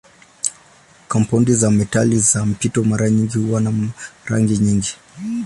Kampaundi za metali za mpito mara nyingi huwa na rangi nyingi.